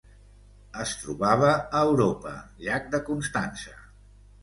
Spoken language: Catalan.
Es trobava a Europa: llac de Constança.